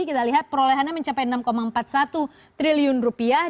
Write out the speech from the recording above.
kita lihat perolehannya mencapai enam empat puluh satu triliun rupiah